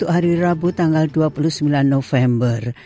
hari rabu tanggal dua puluh sembilan november